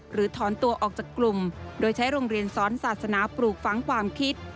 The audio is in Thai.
ถอนตัวออกจากกลุ่มโดยใช้โรงเรียนสอนศาสนาปลูกฝังความคิด